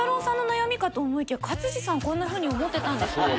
さんの悩みかと思いきや勝地さんこんなふうに思ってたんですね。